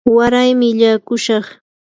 waraymi illaakushaq.